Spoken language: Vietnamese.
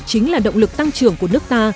chính là động lực tăng trưởng của nước ta